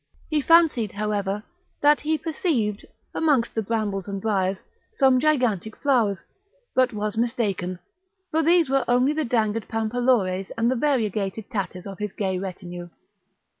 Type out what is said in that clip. He fancied, however, that he perceived, amongst the brambles and briers, some gigantic flowers, but was mistaken; for these were only the dangling palampores and variegated tatters of his gay retinue.